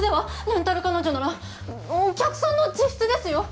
レンタル彼女ならお客さんの自室ですよ？